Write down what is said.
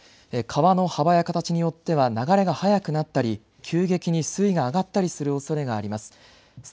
川の幅や形によっては流れが速くなったり急激に水位が上がったりするおそれがあります。